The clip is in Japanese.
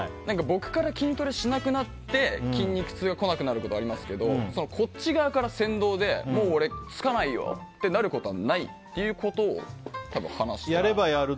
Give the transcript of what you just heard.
僕から筋トレしなくなって筋肉痛が来なくなることはありますけどこっち側から先導でもう俺つかないよってなることはないっていうことを多分、話したんです。